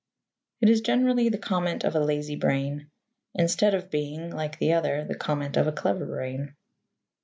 It is generally the comment of a lazy brain, instead of being, like the other, the comment of a clever brain.